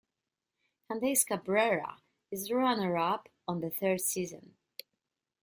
Candace Cabrera is the runner-up on the third season.